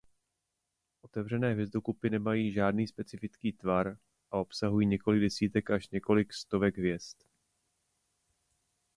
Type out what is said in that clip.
Otevřené hvězdokupy nemají žádný specifický tvar a obsahují několik desítek až několik stovek hvězd.